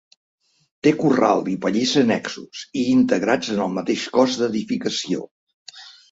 Té corral i pallissa annexos i integrats en el mateix cos d'edificació.